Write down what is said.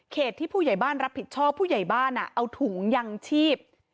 ที่ผู้ใหญ่บ้านรับผิดชอบผู้ใหญ่บ้านเอาถุงยังชีพ